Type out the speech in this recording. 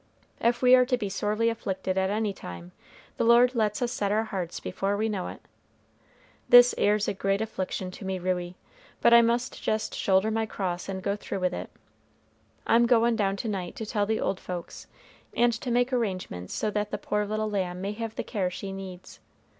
Ef we are to be sorely afflicted at any time, the Lord lets us set our hearts before we know it. This 'ere's a great affliction to me, Ruey, but I must jest shoulder my cross and go through with it. I'm goin' down to night to tell the old folks, and to make arrangements so that the poor little lamb may have the care she needs.